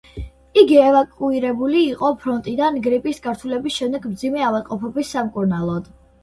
იგი ევაკუირებული იყო ფრონტიდან გრიპის გართულების შემდეგ მძიმე ავადმყოფობის სამკურნალოდ.